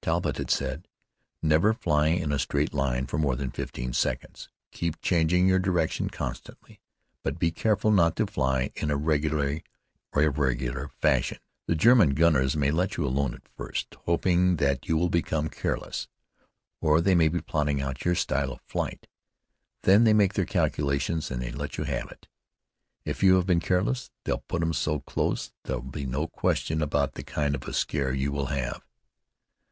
Talbott had said: "Never fly in a straight line for more than fifteen seconds. Keep changing your direction constantly, but be careful not to fly in a regularly irregular fashion. The German gunners may let you alone at first, hoping that you will become careless, or they may be plotting out your style of flight. Then they make their calculations and they let you have it. If you have been careless, they'll put 'em so close, there'll be no question about the kind of a scare you will have."